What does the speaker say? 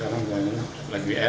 tapi sekarang buang airnya lebih enak